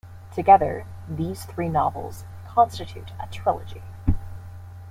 Together, these three novels constitute a trilogy.